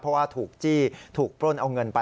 เพราะว่าถูกจี้ถูกปล้นเอาเงินไป